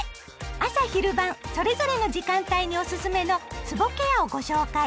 朝・昼・晩それぞれの時間帯におすすめのつぼケアをご紹介。